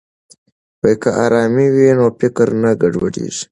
که ارامي وي نو فکر نه ګډوډیږي.